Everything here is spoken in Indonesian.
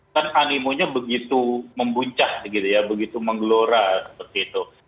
kan animonya begitu membuncah begitu ya begitu menggelora seperti itu